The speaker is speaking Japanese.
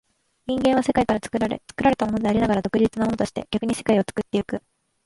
人間は世界から作られ、作られたものでありながら独立なものとして、逆に世界を作ってゆく。